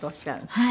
はい。